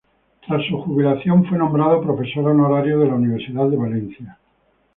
Tras su jubilación, fue nombrado Profesor Honorario de la Universidad de Valencia.